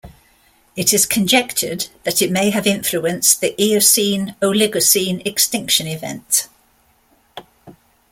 It is conjectured that it may have influenced the Eocene-Oligocene extinction event.